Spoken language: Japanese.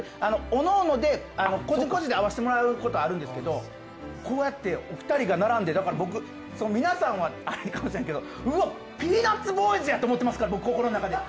おのおので個人個人で会わせてもらうことはあるんですけどこうやってお二人が並んで、だから僕皆さんはあれかもしれへんけどうわっ、ピーナッツボーイズやって思ってますから。